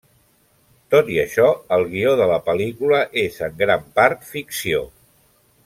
Tot i això el guió de la pel·lícula és en gran part ficció.